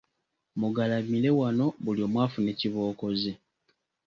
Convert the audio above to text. Mugalamire wano buli omu afune kibooko ze.